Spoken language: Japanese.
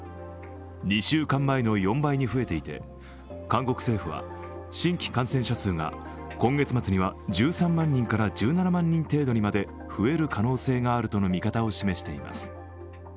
２週間前の４倍に増えていて、韓国政府は新規感染者数が今月末には１３万人から１７万人程度にまで増える可能性があるとの見方を示しています。